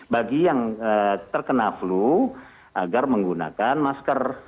bagi yang terkena flu agar menggunakan masker